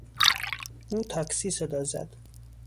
او تاکسی صدا زد.